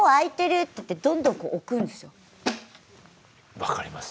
分かります。